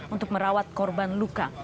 untuk merawat korban luka